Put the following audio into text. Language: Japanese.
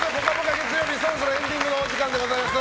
月曜日そろそろエンディングのお時間でございます。